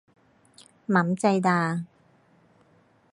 หมำใจดา !